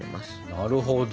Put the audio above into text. なるほど。